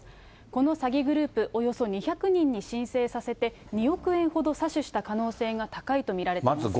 この詐欺グループ、およそ２００人に申請させて、２億円ほど詐取した可能性が高いと見られています。